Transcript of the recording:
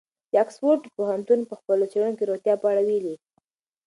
د اکسفورډ پوهنتون په خپلو څېړنو کې د روغتیا په اړه ویلي.